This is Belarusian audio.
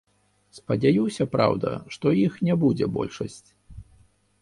Спадзяюся, праўда, што іх не будзе большасць.